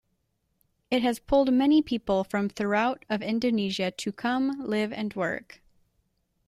It has pulled many people from throughout of Indonesia to come, live and work.